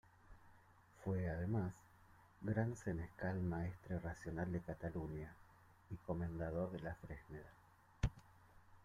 Fue, además, gran senescal y maestre racional de Cataluña y comendador de la Fresneda.